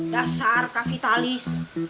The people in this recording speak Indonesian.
dasar kak vitalis